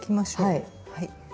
はい。